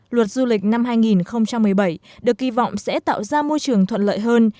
luật du lịch năm hai nghìn một mươi bảy được kỳ vọng sẽ tạo ra môi trường thuận lợi hơn